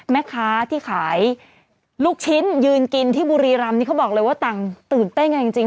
แม่ค้าที่ขายลูกชิ้นยืนกินที่บุรีรำนี่เขาบอกเลยว่าต่างตื่นเต้นกันจริง